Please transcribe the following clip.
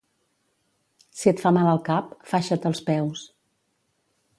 Si et fa mal el cap, faixa't els peus.